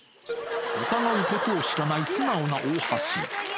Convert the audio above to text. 疑うことを知らない素直な大橋。